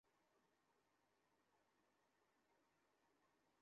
দূরে হাওরের মাঝে মাছ ধরা মাঝিদের মুখে সিগারেটের আলোকে তারার মতো লাগে।